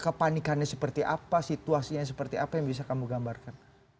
kepanikannya seperti apa situasinya seperti apa yang bisa kamu gambarkan